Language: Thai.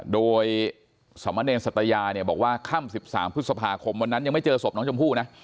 โดยสมเนรสัตยาเนี่ยบอกว่าค่ำ๑๓พฤษภาคมวันนั้นยังไม่เจอศพน้องชมพู่นะ